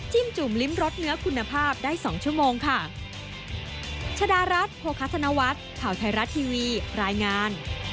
จุ่มลิ้มรสเนื้อคุณภาพได้๒ชั่วโมงค่ะ